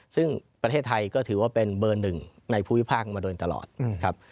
ซึ่งประเทศไทยก็ถือว่าเป็นเบอร์หนึ่งในภูมิภาคมาโดยตลอดนะครับ